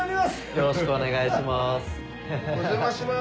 よろしくお願いします。